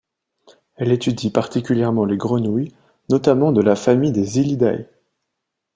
Elle étudie particulièrement les grenouilles, notamment de la famille des Hylidae.